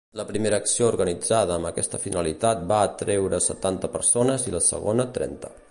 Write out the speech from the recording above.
La primera acció organitzada amb aquesta finalitat va atreure setanta persones i la segona, trenta.